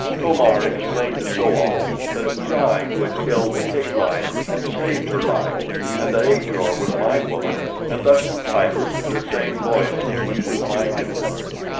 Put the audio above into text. To mar explained to So al that it was I who had killed the cave lion and saved her life, and that Ajor was my woman and thus entitled to the same loyalty which was my due.